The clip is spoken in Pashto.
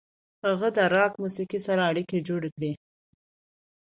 هغه د راک موسیقۍ سره اړیکې جوړې کړې.